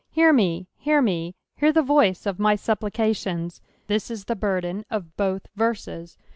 Hear me ! Hear me '.•' Hear the voiet of vtff tvpplieatioTu I" This is the burdeo of both verses.